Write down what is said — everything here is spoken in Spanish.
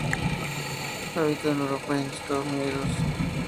Habita en Europa y en Estados Unidos.